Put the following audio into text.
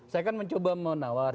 saya kan mencoba menawar